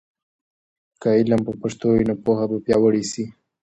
که علم په پښتو وي، نو پوهه به پیاوړې سي.